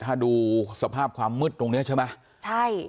ถ้าดูสภาพความมืดตรงเนี้ยใช่ไหมใช่